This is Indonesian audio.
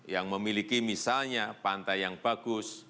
yang memiliki misalnya pantai yang bagus